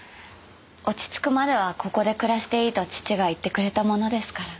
落ち着くまではここで暮らしていいと父が言ってくれたものですから。